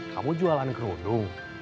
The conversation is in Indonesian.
kamu jualan kerudung